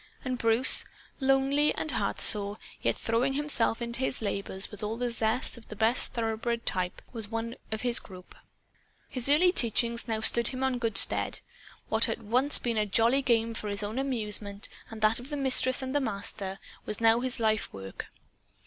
And Bruce, lonely and heartsore, yet throwing himself into his labors with all the zest of the best thoroughbred type, was one of this group. His early teachings now stood him in good stead. What once had been a jolly game, for his own amusement and that of the Mistress and the Master, was now his life work.